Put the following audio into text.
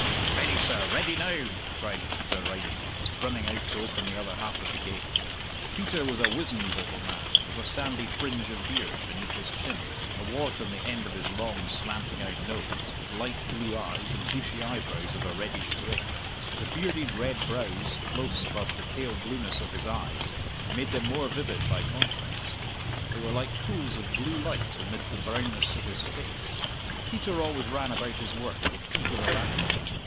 "Ready, sir; ready now!" cried Peter Riney, running out to open the other half of the gate. Peter was a wizened little man, with a sandy fringe of beard beneath his chin, a wart on the end of his long, slanting out nose, light blue eyes, and bushy eyebrows of a reddish gray. The bearded red brows, close above the pale blueness of his eyes, made them more vivid by contrast; they were like pools of blue light amid the brownness of his face. Peter always ran about his work with eager alacrity.